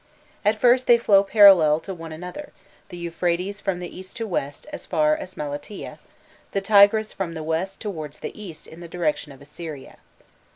At first they flow parallel to one another, the Euphrates from east to west as far as Malatiyeh, the Tigris from the west towards the east in the direction of Assyria.